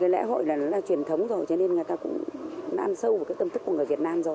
lễ hội là truyền thống rồi cho nên người ta cũng ăn sâu vào tâm thức của người việt nam rồi